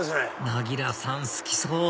なぎらさん好きそう！